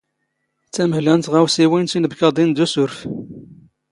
ⵜⴰⵎⵀⵍⴰ ⵏ ⵜⵖⴰⵡⵙⵉⵡⵉⵏ ⵜⵉⵏⴱⴽⴰⴹⵉⵏ ⴷ ⵓⵙⵓⵔⴼ.